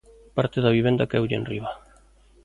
Parte da vivenda caeulle enriba.